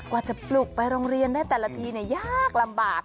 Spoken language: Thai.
ว่าจะปลุกไปโรงเรียนได้แต่ละทียากลำบาก